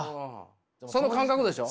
その感覚でしょ？